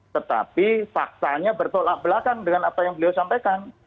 tetapi faktanya bertolak belakang dengan apa yang beliau sampaikan